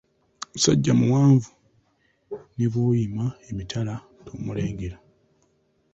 Musajja muwanvu ne bw'oyima emitala tomulengera.